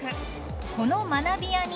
［この学びやに］